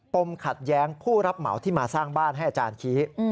มขัดแย้งผู้รับเหมาที่มาสร้างบ้านให้อาจารย์ชี้